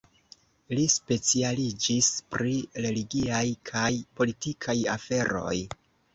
Li specialiĝis pri religiaj kaj politikaj aferoj.